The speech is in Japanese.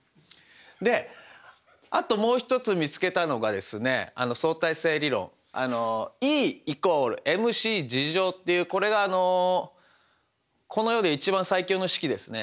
であともう一つ見つけたのがですね相対性理論Ｅ＝ｍｃっていうこれがこの世で一番最強の式ですね。